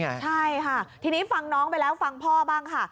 ใช่ค่ะทีนี้ฟังน้องไปแล้วฟังพ่อบ้างค่ะ